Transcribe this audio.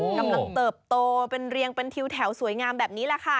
เติบโตเป็นเรียงเป็นทิวแถวสวยงามแบบนี้แหละค่ะ